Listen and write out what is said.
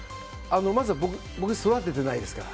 まず僕、育ててないですから。